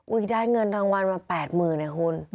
อุ้ยได้เงินรางวัลมาแปดหมื่นในหุ้น